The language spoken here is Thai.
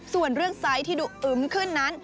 ส่วนเรื่องไซส์ที่ดูอึ้มขึ้นนั้น